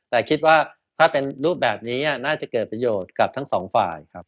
แต่คิดว่าถ้าเป็นรูปแบบนี้น่าจะเกิดประโยชน์กับทั้งสองฝ่ายครับ